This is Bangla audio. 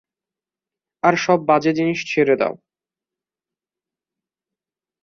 আর সব বাজে জিনিষ ছেড়ে দাও।